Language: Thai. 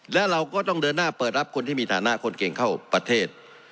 และเราก็ต้องเดินหน้าเปิดรับคนที่มีฐานะคนเก่งเข้าประเทศ